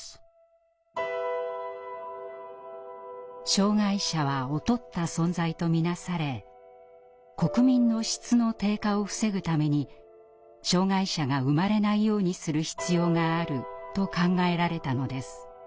障害者は劣った存在と見なされ国民の質の低下を防ぐために障害者が産まれないようにする必要があると考えられたのです。